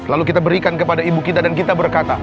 lalu kita berikan kepada ibu kita dan kita berkata